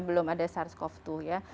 belum ada sars cov dua ya